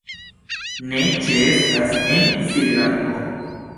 Ne ĉeestas en Srilanko.